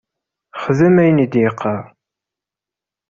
Xdem ayen i d-yeqqar!